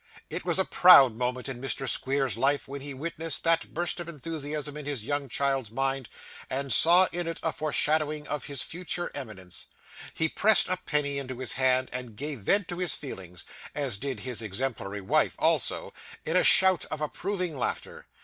It was a proud moment in Mr. Squeers's life, when he witnessed that burst of enthusiasm in his young child's mind, and saw in it a foreshadowing of his future eminence. He pressed a penny into his hand, and gave vent to his feelings (as did his exemplary wife also), in a shout of approving laughter.